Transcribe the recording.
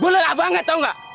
bu lelah banget tau gak